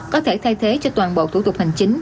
có thể thay thế cho toàn bộ thủ tục hành chính